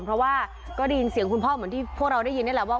เพราะว่าก็ได้ยินเสียงคุณพ่อเหมือนที่พวกเราได้ยินนี่แหละว่า